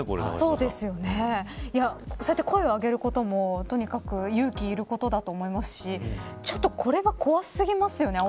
そうやって声を上げることも勇気がいることだと思いますしちょっとこれは怖すぎますよね。